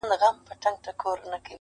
• یاره کله به سیالان سو دجهانه,